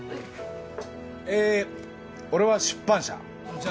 えー俺は出版社。